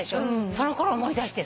そのころを思い出してさ。